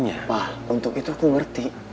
nyapa untuk itu aku ngerti